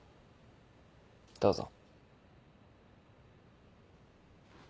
どうぞ。